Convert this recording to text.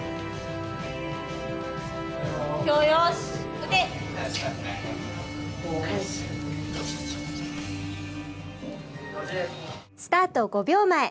撃て！スタート５秒前。